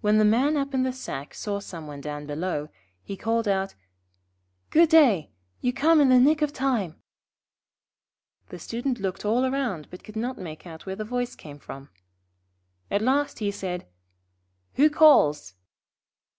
When the Man up in the sack saw some one down below, he called out: 'Good day. You come in the nick of time.' The Student looked all round, but could not make out where the voice came from. At last he said: 'Who calls?'